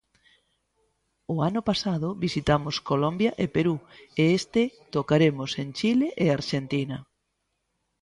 O ano pasado visitamos Colombia e Perú e este tocaremos en Chile e Arxentina.